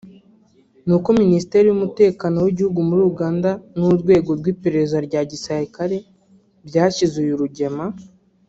ni uko Minisiteri y’ umutekano w’ igihugu muri Uganda n’ Urwego rw’ iperereza rya gisirikare byashyize uyu Rugema